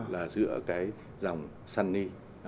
là giữa cái dòng sunni